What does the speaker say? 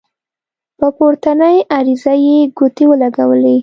په پورتنۍ عریضه یې ګوتې ولګولې.